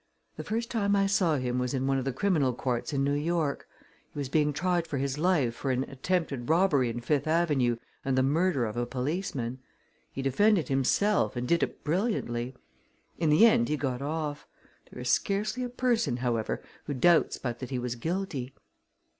The first time I saw him was in one of the criminal courts in New York. He was being tried for his life for an attempted robbery in Fifth Avenue and the murder of a policeman. He defended himself and did it brilliantly. In the end he got off. There is scarcely a person, however, who doubts but that he was guilty."